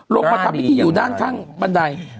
มาทำพิธีอยู่ด้านข้างบันได